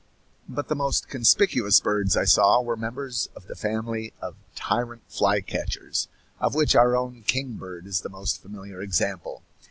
But the most conspicuous birds I saw were members of the family of tyrant flycatchers, of which our own king bird is the most familiar example.